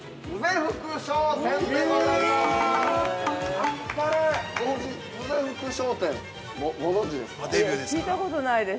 福商店でございます。